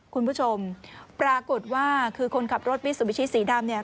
คุณผู้ชมปรากฏว่าคือคนขับรถวิสุบิชิสีดำ